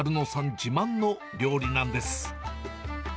自慢の料理なんです。